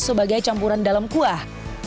sebagai campuran dalam kuah